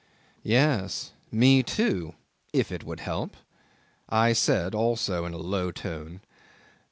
'"Yes me too if it would help," I said, also in a low tone.